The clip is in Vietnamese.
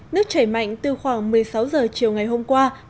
nước chảy mạnh từ khoảng một mươi sáu h chiều ngày hôm qua